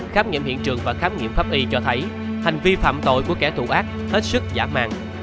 khám nghiệm hiện trường và khám nghiệm pháp y cho thấy hành vi phạm tội của kẻ thù ác hết sức giả mạng